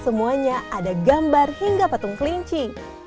semuanya ada gambar hingga patung kelinci